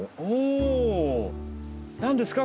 何ですか？